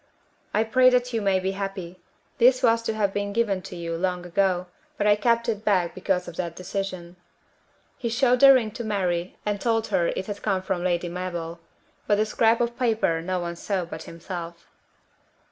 "I pray that you may be happy. This was to have been given to you long ago, but I kept it back because of that decision." He showed the ring to Mary and told her it had come from Lady Mabel; but the scrap of paper no one saw but himself.